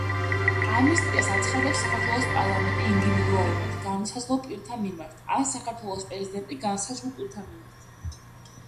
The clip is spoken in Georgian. ამნისტიას აცხადებს საქართველოს პარლამენტი ინდივიდუალურად განუსაზღვრელ პირთა მიმართ, ან საქართველოს პრეზიდენტი განსაზღვრულ პირთა მიმართ.